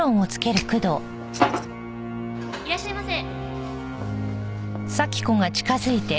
いらっしゃいませ。